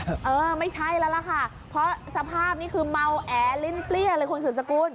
เออไม่ใช่แล้วล่ะค่ะเพราะสภาพนี้คือเมาแอลิ้นเปรี้ยเลยคุณสุดสกุล